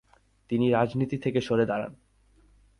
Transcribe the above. তিনি রাজনীতি থেকে সরে দাঁড়ান।